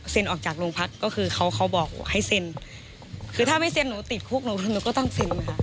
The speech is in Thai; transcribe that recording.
ออกจากโรงพักก็คือเขาเขาบอกให้เซ็นคือถ้าไม่เซ็นหนูติดคุกหนูหนูก็ต้องเซ็นค่ะ